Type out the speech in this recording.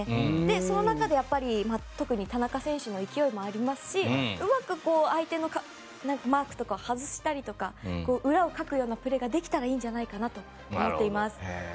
その中で特に田中選手の勢いもありますしうまく相手のマークとかを外したりとか裏をかくようなプレーができたらいいんじゃないかなと思っています。